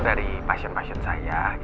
dari pasien pasien saya